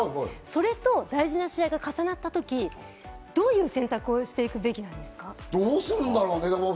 それと大事な試合が重なったとき、どういう選択をしていくべきですか？